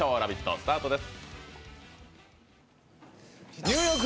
スタートです。